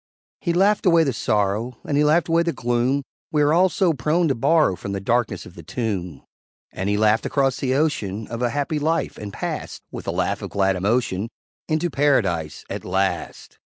He laughed away the sorrow, And he laughed away the gloom We are all so prone to borrow From the darkness of the tomb; And he laughed across the ocean Of a happy life, and passed, With a laugh of glad emotion, Into Paradise at last.